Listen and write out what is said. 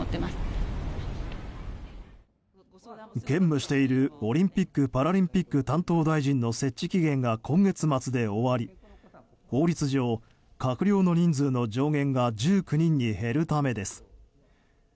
兼務しているオリンピック・パラリンピック担当大臣の設置期限が今月末で終わり法律上、閣僚の人数の上限が１９人に減るためです。